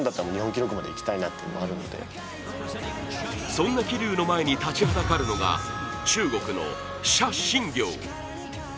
そんな桐生の前に立ちはだかるのが中国の謝震業。